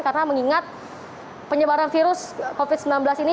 karena mengingat penyebaran virus covid sembilan belas ini